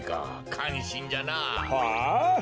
かんしんじゃなあ。